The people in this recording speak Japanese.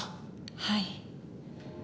はい。